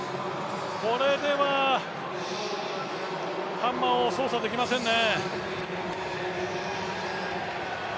これではハンマーを操作できませんね。